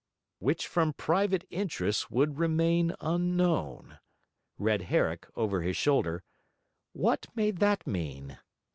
"'Which from private interests would remain unknown,"' read Herrick, over his shoulder. 'What may that mean?'